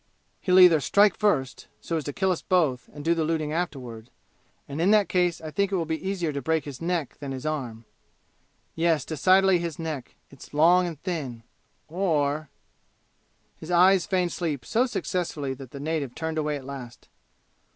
"He'll either strike first, so as to kill us both and do the looting afterward and in that case I think it will be easier to break his neck than his arm yes, decidedly his neck; it's long and thin; or " His eyes feigned sleep so successfully that the native turned away at last.